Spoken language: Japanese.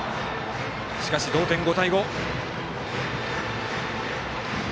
しかし、同点、５対５。